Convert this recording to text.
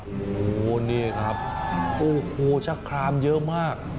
โอ้โหนี่ครับโอ้โหชะครามเยอะมาก